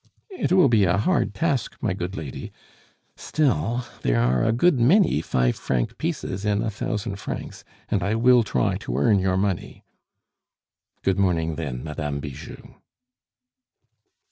"It will be a hard task, my good lady; still, there are a good many five franc pieces in a thousand francs, and I will try to earn your money." "Good morning, then, Madame Bijou."